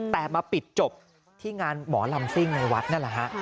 แต่มาปิดจบที่งานหมอลำซิ่งในวัดนั่นแหละฮะ